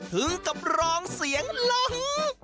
ถึงกับร้องเสียงร้อง